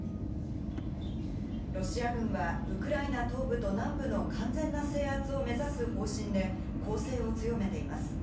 ロシア軍は、ウクライナ東部と南部の完全な制圧を目指す方針で、攻勢を強めています。